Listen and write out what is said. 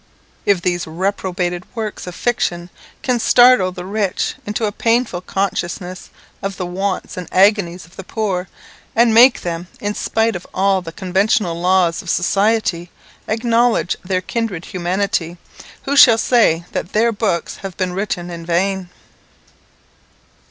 If these reprobated works of fiction can startle the rich into a painful consciousness of the wants and agonies of the poor, and make them, in spite of all the conventional laws of society, acknowledge their kindred humanity, who shall say that their books have been written in vain?